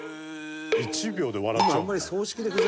「１秒で笑っちゃうもんね」